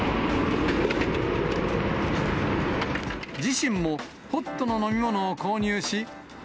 自身もホットの飲み物を購入し。